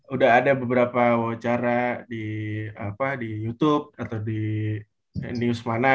udah ada beberapa wawancara di apa di youtube atau di newsmana gitu kan sih